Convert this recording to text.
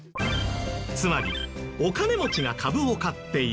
つまりお金持ちが株を買っている。